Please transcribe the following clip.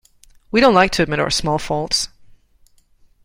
We don't like to admit our small faults.